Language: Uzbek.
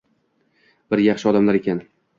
Bir yaxshi odamlar ekan.